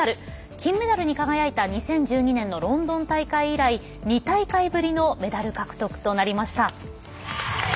金メダルに輝いた２０１２年のロンドン大会以来２大会ぶりのメダル獲得となりました。